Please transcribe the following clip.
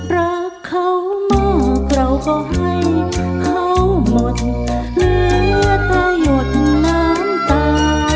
รักเขามากเราก็ให้เขาหมดเหลือแต่หยดน้ำตา